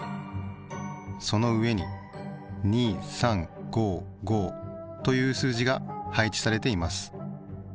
その上に「２３５５」という数字が配置されています。